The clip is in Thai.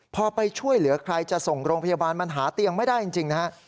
พอไปช่วยเหลือใครจะส่งโรงพยาบาลมันหาเตียงไม่ได้จริงนะฮะ